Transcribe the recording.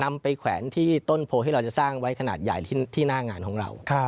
นำไปแขวนที่ต้นโพที่เราจะสร้างไว้ขนาดใหญ่ที่หน้างานของเรา